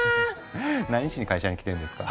何しに会社に来てるんですか。